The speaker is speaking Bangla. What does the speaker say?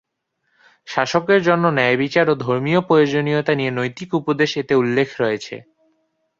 শাসকের জন্য ন্যায়বিচার ও ধর্মীয় প্রয়োজনীয়তা নিয়ে নৈতিক উপদেশ এতে উল্লেখ রয়েছে।